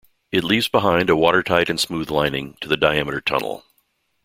It leaves behind a watertight and smooth lining to the diameter tunnel.